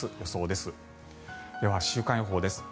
では、週間予報です。